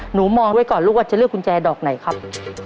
หนูมองไว้ก่อนลูกว่าจะเลือกกุญแจดอกไหนครับ